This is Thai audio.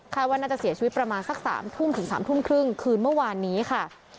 ว่าน่าจะเสียชีวิตประมาณสัก๓ทุ่มถึง๓ทุ่มครึ่งคืนเมื่อวานนี้ค่ะ